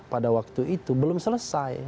pada waktu itu belum selesai